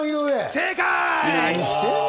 正解！